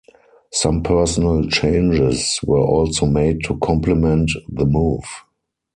Some personnel changes were also made to compliment the move.